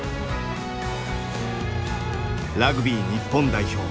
ラグビー日本代表